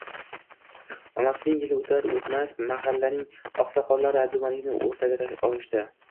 Onasining yili o`tar-o`tmas mahallaning oqsoqllari Abdumalikni o`rtaga olishdi